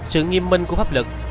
sự nghiêm minh của pháp lực